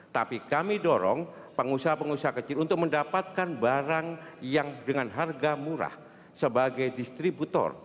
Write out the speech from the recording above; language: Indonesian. tapi kami dorong pengusaha pengusaha kecil untuk mendapatkan barang yang dengan harga murah sebagai distributor